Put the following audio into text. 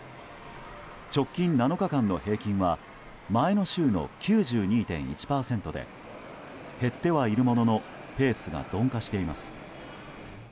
直近７日間の平均は前の週の９２．１％で減ってはいるもののペースが鈍化しています。